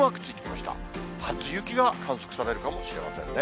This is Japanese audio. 初雪が観測されるかもしれませんね。